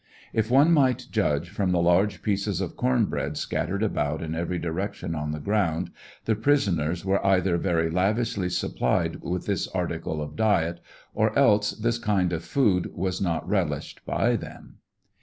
If one might judge from the large pieces of corn bread scattered about in every direction on the ground the prisoners were either very lavishly supplied with this article of diet, or else this kind of food was not relished by them.